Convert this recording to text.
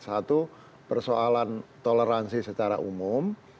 satu persoalan toleransi secara umum